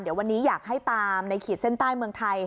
เดี๋ยววันนี้อยากให้ตามในขีดเส้นใต้เมืองไทย